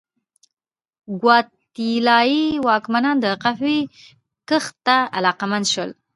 ګواتیلايي واکمنان د قهوې کښت ته علاقمند شول.